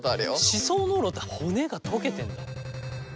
歯槽膿漏って骨が溶けてんだ。